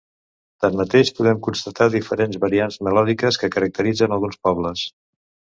Tanmateix podem constatar diferents variants melòdiques que caracteritzen alguns pobles.